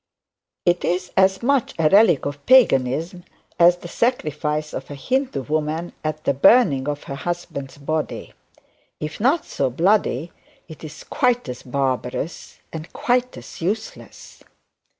It is as much a relic of paganism as the sacrifice of a Hindu woman at the burning of her husband's body. If not so bloody, it is quite as barbarous, and quite as useless.'